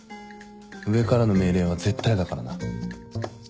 上からの命令は絶対だからな。